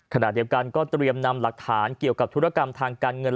ขณะเดียวกันก็เตรียมนำหลักฐานเกี่ยวกับธุรกรรมทางการเงิน